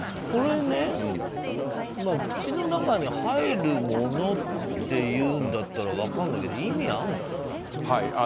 これ、口の中に入るものっていうんだったら分かるんだけど、意味あるの？